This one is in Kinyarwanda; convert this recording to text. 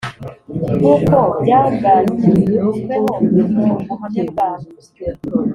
nk’uko byagrutsweho mu buhamya bwabo